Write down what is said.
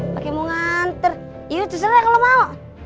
pake mau nganter yaudah terseret kalau mau